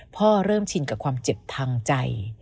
พ่อเริ่มชินกับความเจ็บทางใจ